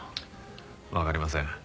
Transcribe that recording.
わかりません。